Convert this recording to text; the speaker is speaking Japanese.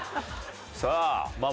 さあまあ